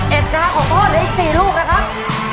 สิบเอ็ดนะครับของพ่อเหลืออีกสี่ลูกนะครับ